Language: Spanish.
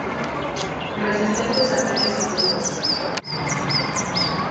Resistentes a ataques enemigos.